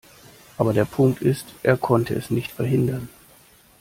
Aber der Punkt ist, er konnte es nicht verhindern.